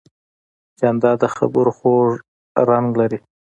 جانداد د خبرو خوږ رنګ لري.